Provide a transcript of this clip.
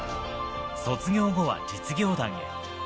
卒業後は実業団へ。